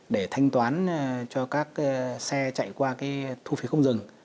để thanh toán cho các xe chạy qua thu phí không dừng